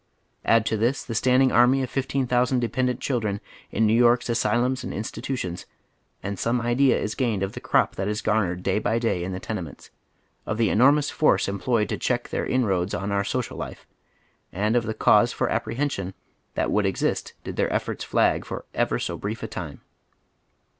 Add to this the standing army of fifteen thousand dependent children in New York's asylums and institutions, and some idea is gained of the ci'op that is garnered day by day in the tenements, of the enormous force employed to check their inroads on onr social life, and of the cause for apprehension that would exist did tlieir efforts flag for ever so brief a time.